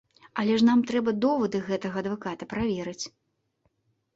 Але ж нам трэба довады гэтага адваката праверыць.